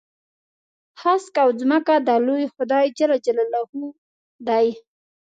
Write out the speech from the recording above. هسک او ځمکه د لوی خدای جل جلاله دي.